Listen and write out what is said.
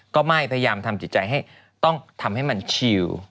ก็ไม่พยายามทำจิตใจให้ต้องทำให้มันชิล